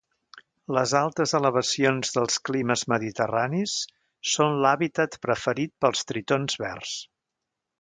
Les altes elevacions dels climes mediterranis són l'hàbitat preferit pels tritons verds.